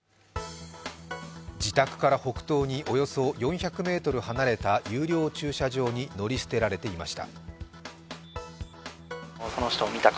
自宅から北東におよそ４００ｍ離れた有料駐車場に乗り捨てられていました。